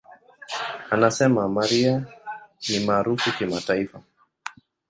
Anasema, "Mariah ni maarufu kimataifa.